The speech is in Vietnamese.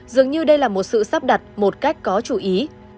dường như đây là một sự sắp đặt một cách có chú ý